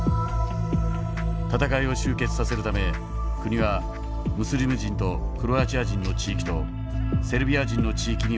戦いを終結させるため国はムスリム人とクロアチア人の地域とセルビア人の地域に分けられた。